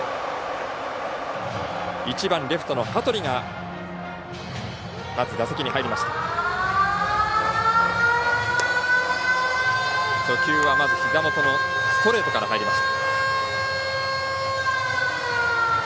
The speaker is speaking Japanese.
１番レフトの羽鳥がまず打席に入りました。